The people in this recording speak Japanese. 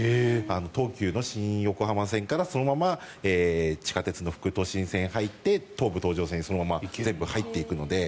東急の新横浜線からそのまま地下鉄の副都心線に入って東武東上線にずっと入っていくので。